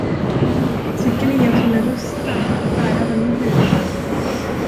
Tycker ni, att hon är rustad att bära vad ni burit?